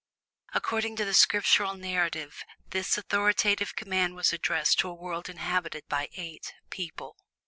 According to the scriptural narrative this authoritative command was addressed to a world inhabited by eight people.